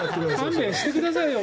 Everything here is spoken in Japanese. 勘弁してください。